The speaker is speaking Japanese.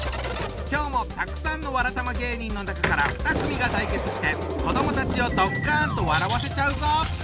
今日もたくさんのわらたま芸人の中から２組が対決して子どもたちをドッカンと笑わせちゃうぞ！